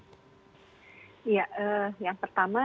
ya yang pertama